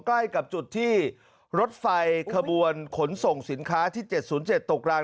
ใกล้กับจุดที่รถไฟขบวนขนส่งสินค้าที่เจ็ดศูนย์เจ็ดตกราง